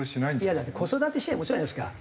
いやだって子育て支援もそうじゃないですか。